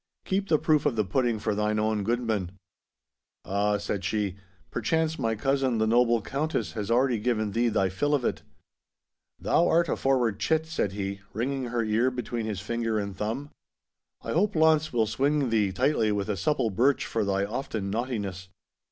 Keep the proof of the pudding for thine own goodman.' 'Ah,' said she, 'perchance my cousin, the noble Countess, has already given thee thy fill of it.' 'Thou art a forward chit,' said he, wringing her ear between his finger and thumb. 'I hope Launce will swinge thee tightly with a supple birch for thy often naughtiness.